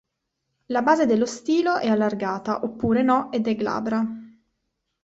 La base dello stilo è allargata oppure no ed è glabra.